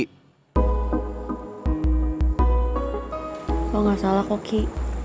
kalo gak salah kok ki